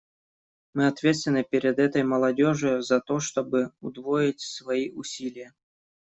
Мы ответственны перед этой молодежью за то, чтобы удвоить свои усилия.